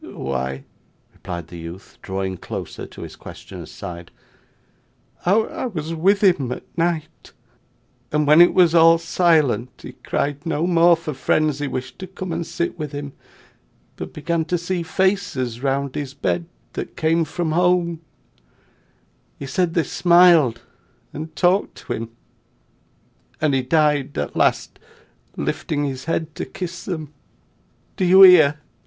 'Why,' replied the youth, drawing closer to his questioner's side, 'I was with him at night, and when it was all silent he cried no more for friends he wished to come and sit with him, but began to see faces round his bed that came from home; he said they smiled, and talked to him; and he died at last lifting his head to kiss them. Do you hear?